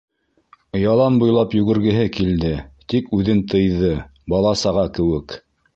Ялан буйлап йүгергеһе килде, тик үҙен тыйҙы, бала-саға кеүек...